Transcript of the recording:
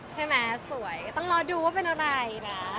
ใช่ไหมสวยแล้วต้องรอดูว่าเป็นอะไร